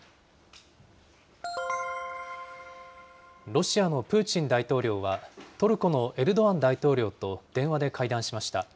ロシアのプーチン大統領は、トルコのエルドアン大統領と電話で会談しました。